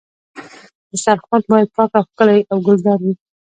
دسترخوان باید پاک او ښکلی او ګلدار وي.